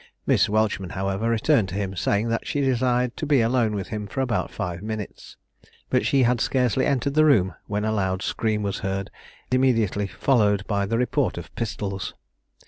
Miss Welchman, however, returned to him, saying that she desired to be alone with him for about five minutes; but she had scarcely entered the room when a loud scream was heard, immediately followed by the report of pistols.